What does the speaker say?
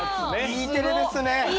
Ｅテレですね。